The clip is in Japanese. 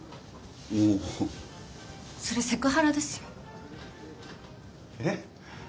おお。それセクハラですよ。え？